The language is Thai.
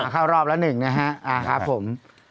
เข้ารอบแล้วหนึ่งนะครับอ่าครับผม